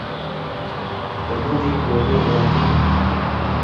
بە مۆنێکەوە لێی ڕوانیم: